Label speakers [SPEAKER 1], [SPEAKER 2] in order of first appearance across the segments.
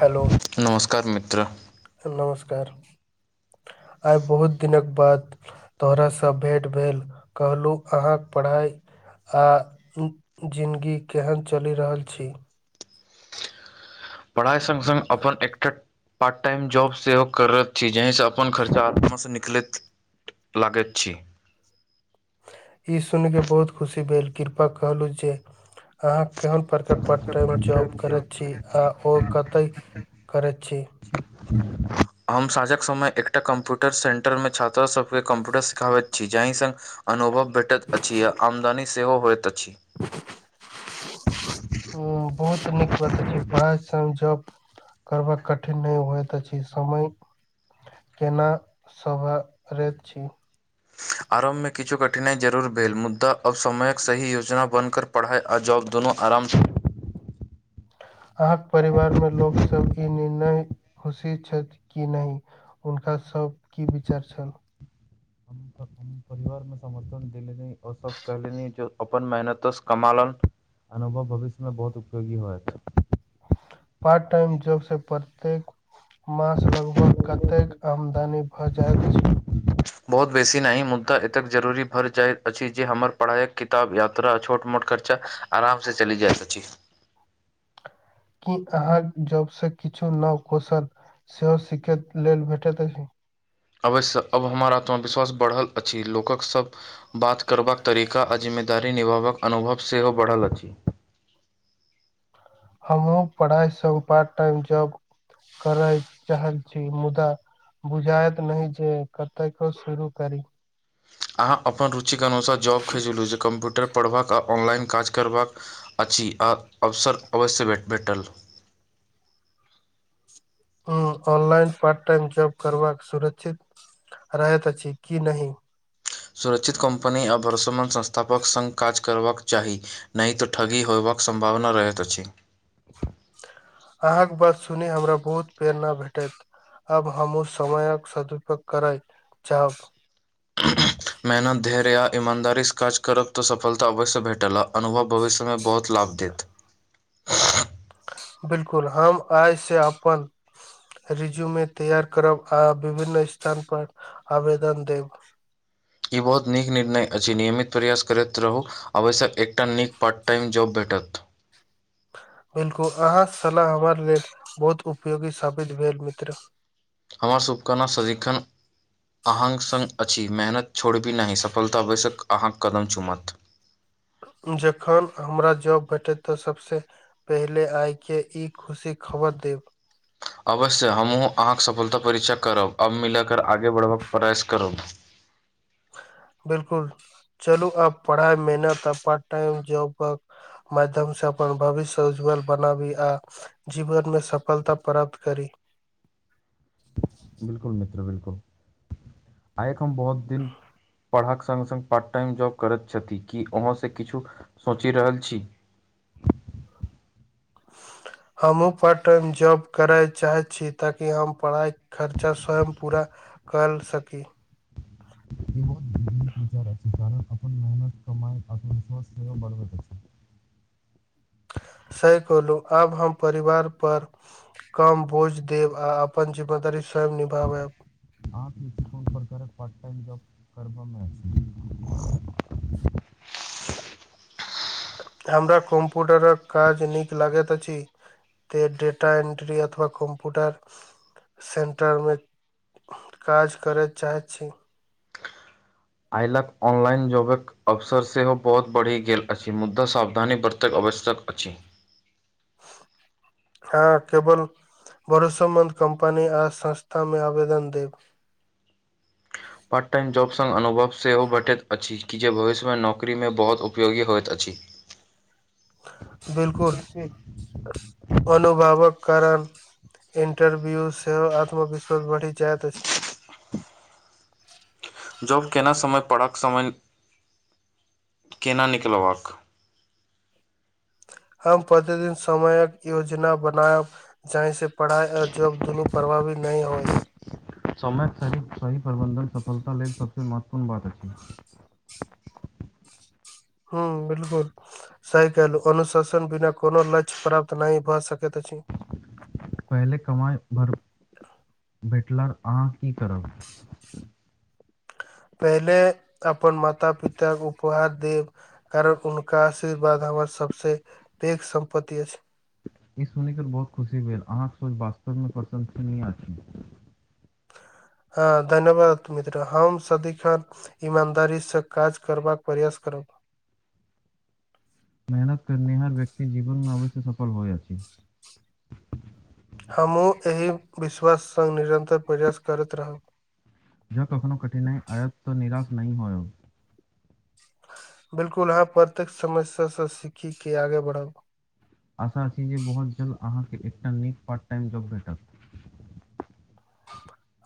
[SPEAKER 1] hello
[SPEAKER 2] नमस्कार मित्र
[SPEAKER 1] नमस्कार आइ बहुत दिनक बाद तोहरासँ भेंट भेल कहलहु अहाँक पढ़ाइ आ जिन्गी केहन चलि रहल छी
[SPEAKER 2] पढ़ाइ सङ्ग सङ्ग अपन एकटा पार्ट टाइम जॉब सेहो कर रहल छी जेहं से अपन खर्चा आपन से निकलैत लगैत छी
[SPEAKER 1] ई सुनिकऽ बहुत खुशी भेल कृपा कहलहुँ जे अहाँ केहन प्रकार पार्ट टाइम जॉब करैत छी आ ओ कतय करैत छी
[SPEAKER 2] ह [unintelligible] हम साँझक समय एकटा कम्प्यूटर सेंटर मे छात्रा सबके कंप्यूटर सिखाबैत छी जाहि स्ग अनुभव भेटैत अछि आ आमदनी सेहो होइत अछि
[SPEAKER 1] [inaudible] [inaudible] [inaudible] हू बहुत नीक अछि पढ़ाइ जॉब करबा कठिन नहि होइत अछि समय केना सौबारैत छी
[SPEAKER 2] आरम्भ मे किछु कठिनाइ जरूर भेल मुद्दा अब समयक सही योजना बन कर पढ़ाइ आओर जॉब दुनू आरामछै
[SPEAKER 1] अहाँके परिवार मे लोकसभ ई निणय खुशी छथि कि नहि हुनका सब की विचार छल [inaudible] [inaudible]
[SPEAKER 2] परवार मे समर्थन दे ओ सब कहले जो अपन मेहनतो कमालन अनुभव भविष्य में बहुत उपयोगी होथ
[SPEAKER 1] पार्ट टाइम जॉब से प्रत्येक मास लगभग कतेक आमदनी भऽ जाइत अछि
[SPEAKER 2] बहुत बेसी नहि मुद्दा ऐतेक जरूरी भरि जाइत अछि जे हमर पढ़ाइक किताब यात्रा छोट मोट खर्चा आरामसँ चली जा अछी
[SPEAKER 1] की अहाँ जॉब से किछु नव कौशल सेहो सिख लेल भेटैत अछि
[SPEAKER 2] अवसय अब हमर आत्मविश्वास बढ़ल अछि लोकक सब बात करबाक तरीका आजीमे दारी निभावक अनुभव सेहो बढ़ल अछि
[SPEAKER 1] हमहुँ पढ़ाईसँ पार्ट टाइम जॉब करय चाहै छी मुदा बुझायत नै जे कतय ह शुरू करी
[SPEAKER 2] अहाँ अपन रुचिक अनुसार जॉब खलो छी कम्प्यूटर पढ़बाक आ ऑनलाइन काज करबाक अछि आ अवसर अवश्य भेटल
[SPEAKER 1] हू ऑनलाइन पार्ट टाइम जॉब करबाक सुरक्षित रहैत अछि कि नै
[SPEAKER 2] सुरक्षित कम्पनी आ भरसमान संस्थापक सङ्ग काज करबाक चाही नहि तऽ ठगी होयबक सम्भावना रहैत अछि
[SPEAKER 1] अहाँके बात सुनी हमरा बहुत प्रेरणा भेटैत अब हमू समयक सदुपयोग करै जाब
[SPEAKER 2] मेहनत धैर या ईमानदारीसँ काज करब तऽ सफलता अवश्य भेटल आरनुभव भविष्यमे बहुत लाभ देत
[SPEAKER 1] बिल्कुल हम आइ से अपन रिज्यूमे तैयार करब आ विभिन्न स्थान पर आवेदन देब
[SPEAKER 2] इ बहुत नीक निर्णय अछि नियमित प्रयास करैत रहू अवश्यक एकटा नीक पार्ट टाइम जॉब भेटत
[SPEAKER 1] बिल्कुल अहाँ सलाह हमर लेल बहुत उपयोगी साबित भेल मित्र
[SPEAKER 2] हमर सभके नाम सदिखन [unintelligible] अहाँ सङ्ग अछि मेहनत छोड़बी नहि सफलता बैश्यक अहाँके कदम चुमत
[SPEAKER 1] जखन हमरा जॉब भेटैत तऽ सभसँ पहिले आइके ई खुशी खबर देब
[SPEAKER 2] अवश्य हमहूँ अहाँके सफलता परीचे करब आब मिलाकऽ आगे बढ़बाक प्रयास करब
[SPEAKER 1] बिलकुल चलू आब पढ़ाइ मेहनत आ पार्ट टाइम जॉब पर माध्यम से अपन भविष्य उज्ज्वल बनाबी आ जीवन मे सफलता प्राप्त करी
[SPEAKER 2] बिलकुल मित्र बिलकुल आइक हम बहुत दिन पढ़क सङ्ग सङ्ग पार्ट टाइम जॉब करैत छथि कि ओहो से किछु सोचि रहल छी
[SPEAKER 1] हमहूँ पार्ट टाइम जॉब करय चाहैत छी ताकि हम पढ़ाइ खर्चा स्वयं पूरा कर सकी
[SPEAKER 2] ए बहुत नीक विचार अछि कारण अपन मेहनत कमाय आत्मविश्वास सेवा बढ़बैत अछि
[SPEAKER 1] सही कहलहुं आब हम परिवारपर कम बोझ देब आ अपन जिम्मेदारी स्वयं निभाबब
[SPEAKER 2] आ कोन प्रकार पार्टटाइम जॉब करमे छै
[SPEAKER 1] हमरा कम्प्यूटरक काज नीक लागैत अछि त डेटा एन्ट्री अथवा कम्प्यूटार सेन्टरमे काज करय चाहै छी
[SPEAKER 2] आइ लख अनलइन जॉबक अवसर सेहो बहुत बढ़ि गेल अछि मुदा सावधानी बरतक आवश्यक अछि
[SPEAKER 1] [unintelligible] हँ केवल भरोसोमंद कम्पनी आ संस्था में आवेदन देब
[SPEAKER 2] पार्ट टाइम जॉब सङ् अनुभव सेहो भेटैत अछि कि जे भविष्यमे नौकरीमे बहुत उपयोगी होइत अछि
[SPEAKER 1] बिलकुल अनुभावक कारम जे इंटरव्यू सेहो आत्मविश्वास बढ़ि जाइत अछि
[SPEAKER 2] [inaudible] जॉब केना समय पढ़क समय केना निकलबाक
[SPEAKER 1] हम प्रतिदिन समयक योजना बनायब जाहिसँ पढ़ाइ ओर जॉब दुनू प्रभावी नहि होय
[SPEAKER 2] समयक स सही प्रबन्धन सफलता लेल सभसँ महत्वपूर्ण बात अछि
[SPEAKER 1] हँ बिल्कुल सही कलू अनुशासन बिना कोनो लक्ष्य प्राप्त नहि भए सकैत अछि
[SPEAKER 2] पहिले कमाइ भर भेटलर अहाँ की करब
[SPEAKER 1] पहिले अपन माता पिताके उपहार देब कारण हुनका आशीर्वाद हमर सबसे पैघ सम्पत्तति अछि
[SPEAKER 2] ई सुनिक बहुत खुशी भेल अहाँके सोच वास्तवमे प्रशंनीए
[SPEAKER 1] हँ धन्यवाद मित्र हम सदिक इमानदारीसँ काज करबाक प्रयास करब
[SPEAKER 2] मेहनत करनिहार व्यक्ति जीवनमे अबैसँ सफल होइइत अछि
[SPEAKER 1] हमहूँ एहि विश्वास सङ्ग निरन्तर प्रयास करैत रहब
[SPEAKER 2] जँ कखनो कठिनाइ आयत तऽ निराश नहि होय
[SPEAKER 1] बिलकुल हह प्रत्येक समस्या से सीखी के आगे बढ़ाउ
[SPEAKER 2] आशा छी जे बहुत जल्द अहाँकेँ एकटा नीक पार्ट टाइम जॉब भेटत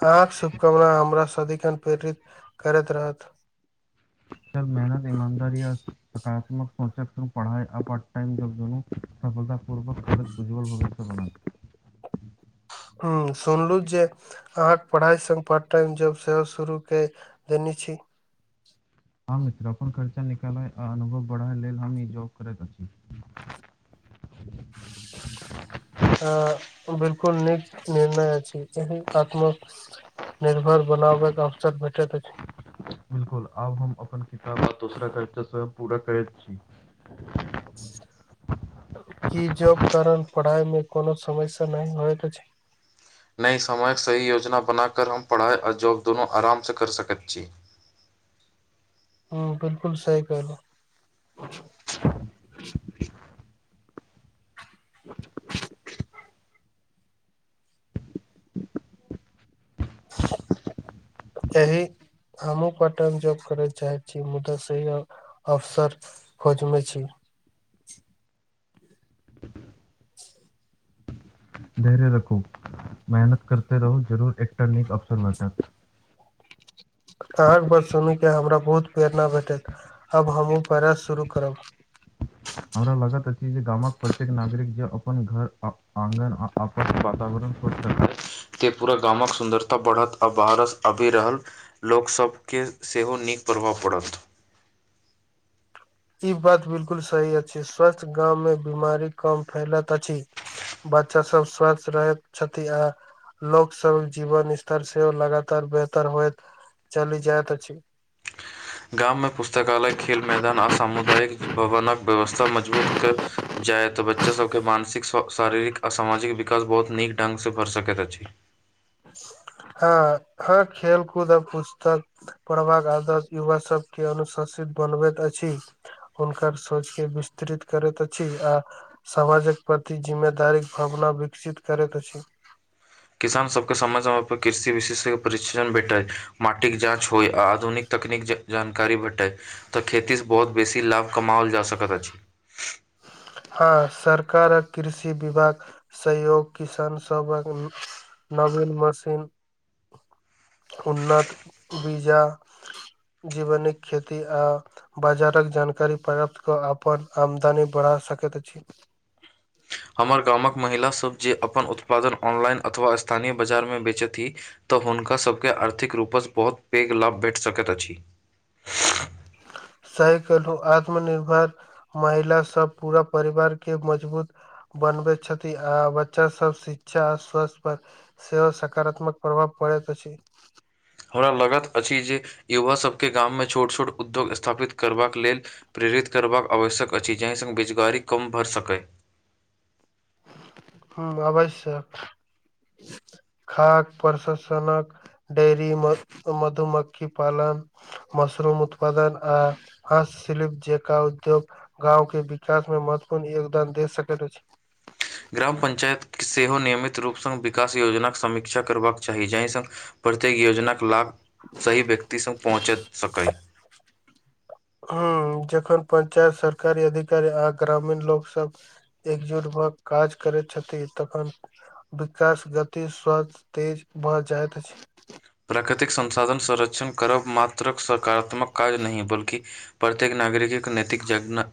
[SPEAKER 1] अहाँ सबके हमरा सदिखन प्रेरित करैत रहत
[SPEAKER 2] स मेहनत ईमानदार य सकारात्मक सोच पढ़ार टाइमनू [unintelligible] सफलता पूर्वक ख उज्जवल भविष्य बण [unintelligible]
[SPEAKER 1] ह सुनलु जे अहाँक पढ़ाइ सङ्ग पार्ट टाइम जॉब सेहो शुरू कए देने छी
[SPEAKER 2] हम मित्र अपनन खर्चा निकालय आ अनुभव बढ़य लेल हम ई जॉब करैत अछि [inaudible]
[SPEAKER 1] [inaudible] अ बिल्कुल नीक निर्णय अ एहि आत्मक निर्भर बनाब के अवसर भेटैत अछि
[SPEAKER 2] बिलकुल आब हम अपन किताब आ दोसरा कलचरसँ पूरा करैत छी
[SPEAKER 1] जे जॉब कारण पढ़ाई मे कोनो समस्या नहि होयत अछि
[SPEAKER 2] नहि समयक सही योजना बनाक हम पढ़ाइ ओर जॉब दुनू आरामसँ कर सकैत छी
[SPEAKER 1] हँ बिल्कुल सही कहलौं [inaudible] [inaudible] एहिही हमू पट जॉब कर चाहै छी मुदा से अफसर खोजमे छी [inaudible]
[SPEAKER 2] धैर्य रखू मेहनत करते रहू जरूर एकटा निक अवसर भेटत
[SPEAKER 1] अहाँक बर सुनूके हमरा बहुत प्रेरणा भेटत आब हमूँ प्रय शुरू करब
[SPEAKER 2] हमरा लागैत अछि जे गामक प्रत्येक नागरिक जे अपन घर आगंन अप वातावरण छट [unintelligible] ते पूरा गामक सुन्दरता बढ़त आ बाहरस आभि रहल लोकसभके सेहो नीक प्रभाव पड़त
[SPEAKER 1] ई बात बिलकुल सही अछि स्वस्थ गाँव मे बीमारी कम फैलत अछि बच्चा सब स्वस्थ रहैत छथि आ लोक सब जीवन स्तर सेहो लगातार बेहतर होए चली जाइत अछि
[SPEAKER 2] गाम में पुस्तकालय खेल मैदान आर सामुदायिक भवनक व्यवस्था मजबूत कर जाय तऽ बच्चा सभके मानसिक शारीरिक आ सामाजिक विकास बहुत नीक ढङ्गसँ भऽ सकैत अछि
[SPEAKER 1] हँ हँ खेलकूद आ पुस्तक पढ़बाक आदर्श युवा सबके अनुशासित बनबैत अछि हुनकर सोचके विस्तृत करैत अछि या समाजक प्रति जिम्मेदारी भावना विकसित करैत अछि
[SPEAKER 2] किसान सबके समय समय पर कृषि विशेष परिक्षण भेटै माटिक जाँच होइ आ आधुनिक तकनीक जानकारी भेटै तऽ खेतीसँ बहुत बेसी लाभ कमाओल जा सकैत अछि
[SPEAKER 1] हँ सरकारक कृषि विभाग सहयोग किसान सभक नवीन मशीन उन्नत बीजा जीवन खेती आ बाजारक जानकारी प्राप्त कऽ अपन आमदनी बढ़ा सकैत अछि
[SPEAKER 2] हमर गामक महिलासभ जे अपन उत्पादन ऑनलाइन अथवा स्थानीय बाजारमे बेचैथी तऽ हुनकासभके आर्थिक रूपसँ बहुत पैघ लाभ भेट सकैत अछि
[SPEAKER 1] साइकलू आत्मनिर्भर महिला सब पूरा परिवार के मजबूत बनबै छथि आ बच्चा सब शिक्षा आ स्वस्थ पर सेहो सकारात्मक प्रभाव पड़ैत अछि
[SPEAKER 2] हमरा लगत अछि जे युवा सभके गाममे छोट छोट उद्योग स्थापित करबाक लेल प्रेरित करबाक आवश्यक अछि जाहि सङ्ग बेजगारी कम परि सकय
[SPEAKER 1] ह अवश्यक खाक प्रशासनक डेरी म मधुमक्खी पालन मशरूम उत्पादक आ हस सिलिप जेका उद्योग गाँंव के विकास में महत्वपूर्ण योगदान दे सकैत अछि
[SPEAKER 2] ग्राम पञ्चायत सेवा नियमित रूपसँ विकास योजनाक समीक्षा करबाक चाही जाहिसँ प्रत्येक योजनाक लाभ सही व्यक्तिसँ पहुँचै सकै
[SPEAKER 1] ह जखन पञ्चायत सरकारी अधिकारी आ ग्रामीण लोक सब एकजुट भ काज करैत छथि तखन विकास गति स्वथ तेज भह जाइत अछि
[SPEAKER 2] प्राकृतिक संसाधन संरक्षण करब मात्र सकारात्मक काज नहि बल्कि प्रत्येक नागरिकके नैतिक जग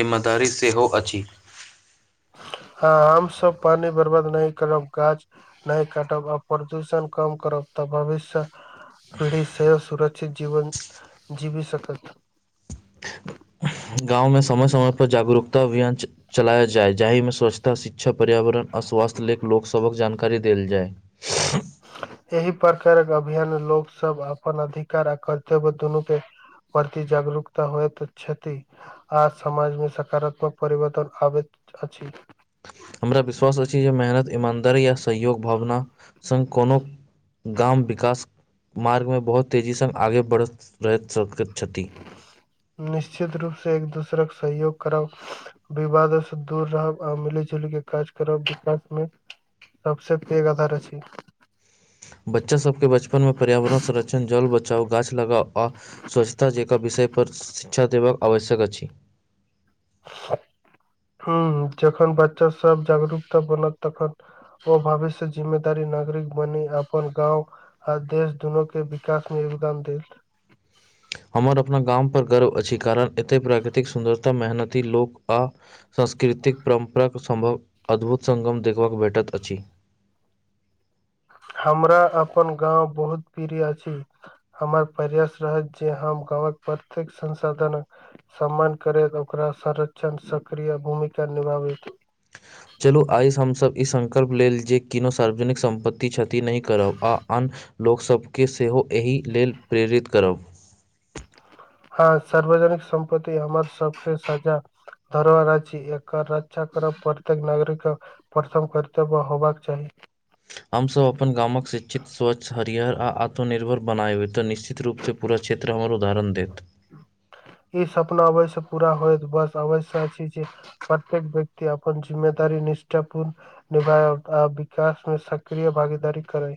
[SPEAKER 2] जिम्मेदारी सेहो अछि
[SPEAKER 1] ह हम सब पानि बर्बाद नहि करब गाछ नहि काटब आ प्रदूषण कम करब तऽ भविष्य पीढ़ी सेहो सुरक्षित जीवन जीवी सकत
[SPEAKER 2] गाँव मे समय समय पर जागरूकता अभियान चलाय जाय जाहिमे स्वच्छता शिक्षा पर्यावरण आ स्वास्थ्य लेक लोक सबक जानकारी देल जाय
[SPEAKER 1] एहि प्रकारक अभियान लोक सब अपन अधिकार आ कर्तव्य दुनू पे प्रति जागरूकता होयत छथि आ समाज मे सकारात्मक परिवर्तन आबैत अछि
[SPEAKER 2] हमरा विश्वास अछि जे मेहनत ईमानदारी या सहयोग भावना संग कोनो गाम विकास मार्गमे बहुत तेजीसँ आगे बढ़ैत रहैत सकैत छथि
[SPEAKER 1] निश्चित रूप से एक दोसरक सहयोग करब विवादो से दूर रहब आ मिली जुल के काज करब विकास मे सबसे पैघ आधार अछि
[SPEAKER 2] बच्चा सभके बचपन मे पर्यावरण संरक्षण जल बच चाउ गाछ लगाउ आ स्वच्छता जेका विषयपर शिक्षा देबाक आवश्यक अछि
[SPEAKER 1] हँ जखन बच्चा सब जागरूकता बनत तखन ओ भविष्य जिम्मेदारी नागरिक बनी अपन गाँव आ देश दुनू के विकास मे योगदान देत
[SPEAKER 2] हमर अपना गाम पर गर्व अछि कारण एते प्राकृतिक सुन्दरता मेहनती लोक आ सांस्कृतिक परम्पराके सम्भव अद्भुत संगम देखबाक भेटैत अछि
[SPEAKER 1] हमरा अपन गाँव बहुत प्रिय अछि हमर प्रयास रहत जे हम गाँवक प्रत्येक संसाधन सम्मान करैत ओकरा संरक्षण सक्रिय भूमिका निभाबैत
[SPEAKER 2] चलू आइ हमसभ ई संकल्प लेल जे किनो सार्वजनिक सम्पत्ति क्षति नहि करब आ आन लोकसभकेँ सेहो एहि लेल प्रेरित करब
[SPEAKER 1] हँ सार्वजनिक सम्पति हमर सबसे सजा धरोहरा छी एकर रक्षा करब प्रत्येक नागरिक प्रथम करर्तव्य होबाक चाही
[SPEAKER 2] हमसभ अपन गामक शिक्षित स्वच्छ हरिहर आ आत्मनिर्भर बनाबै तऽ निश्चित रूपसँ पूरा क्षेत्र हमर उदाहरण देत
[SPEAKER 1] ई सपना अवश्य पूरा होयत बस अबै [unintelligible] सीज छी प्रत्येक व्यक्ति अपन जिम्मेदारी निष्ठापूर्ण निभाय आ विकास मे सक्रिय भागीदारी करै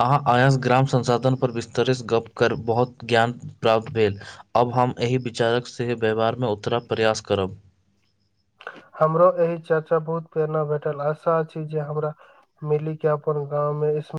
[SPEAKER 2] अहाँ आयांस ग्राम संसाधनपर विस्तरित गप कर बहोत ज्ञान प्राप्त भेल अब हम एहि विचारक से व्यवहारमे उतरा प्रयास करब
[SPEAKER 1] हमरो एहि चर्चा बहुत प्रेरणा भेटल आशा अछि जे हमरा मिली के अपन गाँव मे इसमे